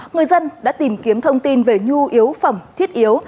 người dân đã tìm kiếm thông tin về nhu yếu phẩm thiết yếu